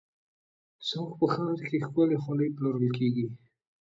زموږ په ښار کې ښکلې خولۍ پلورل کېږي.